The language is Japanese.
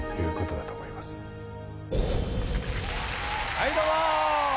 はいどうも！